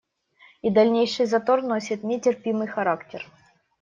И дальнейший затор носит нетерпимый характер.